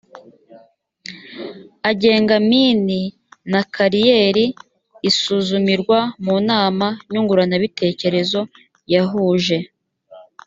agenga mini na kariyeri isuzumirwa mu nama nyunguranabitekerezo yahuje